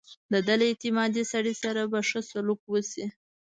د ده له اعتمادي سړي سره به ښه سلوک وشي.